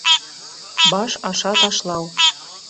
Баш аша ташлау